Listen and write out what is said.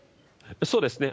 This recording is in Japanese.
そうですね。